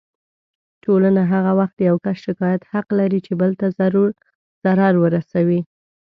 ټولنه هغه وخت د يو کس شکايت حق لري چې بل ته ضرر ورسوي.